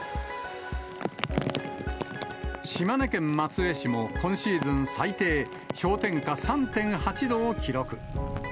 島根県松江市も、今シーズン最低、氷点下３．８度を記録。